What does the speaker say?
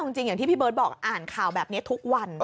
จริงอย่างที่พี่เบิร์ตบอกอ่านข่าวแบบนี้ทุกวัน